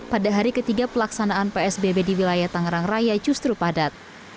pada hari ketiga pelaksanaan psbb di wilayah tangerang raya justru padat